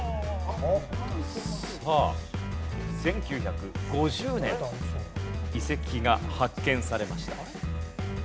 さあ１９５０年遺跡が発見されました。